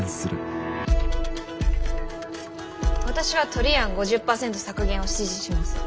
私はトリ案５０％削減を支持します。